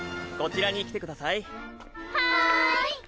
こちらに来てください。